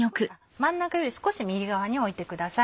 真ん中より少し右側に置いてください。